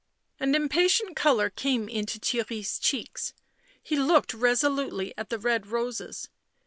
An impatient colour came into Theirry's cheeks; he looked resolutely at the red roses.